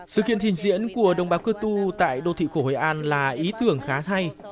sự kiện thiền diễn của đồng bào cơ tu tại đô thị của hội an là ý tưởng khá thay